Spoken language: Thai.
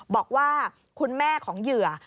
บอกว่าคุณแม่ของเหยื่อ